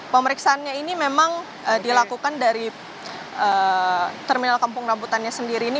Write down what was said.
pemeriksaannya ini memang dilakukan dari terminal kampung rambutannya sendiri ini